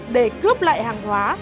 để cướp lại hàng hóa